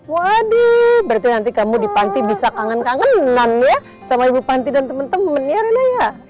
waduh berarti nanti kamu di panti bisa kangen kangenan ya sama ibu panti dan teman teman ya rena ya